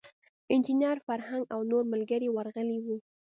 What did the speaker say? انجینیر فرهنګ او نور ملګري ورغلي وو.